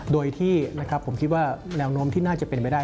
โดยที่นะครับผมคิดว่าแนวโน้มที่น่าจะเป็นไปได้